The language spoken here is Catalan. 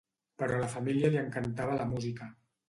Però a la família li encantava la música.